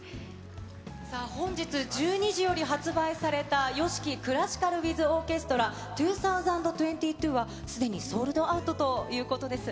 本日、１２時より発売されたＹＯＳＨＩＫＩクラシカルウィズオーケストラ２０２２はすでにソールドアウトということです。